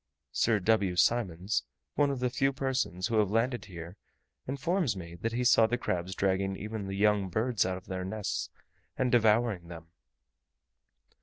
Sir W. Symonds, one of the few persons who have landed here, informs me that he saw the crabs dragging even the young birds out of their nests, and devouring them.